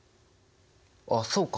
あっそうか！